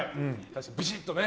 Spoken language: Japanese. ビシッとね。